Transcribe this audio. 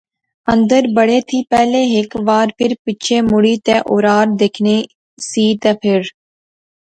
اندر بڑے تھی پہلے ہیک وار فیر پچھے مڑی تہ اورار دیکھنی سی تہ فیر